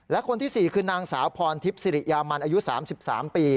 และคนที่๔คือนางสาวพรทิพย์สิริยามันอายุ๓๓ปี